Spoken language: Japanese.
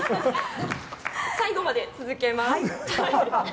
最後まで続けます。